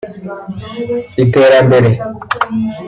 Iterambere